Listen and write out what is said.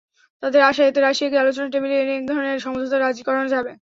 তাদের আশা, এতে রাশিয়াকে আলোচনার টেবিলে এনে একধরনের সমঝোতায় রাজি করানো যাবে।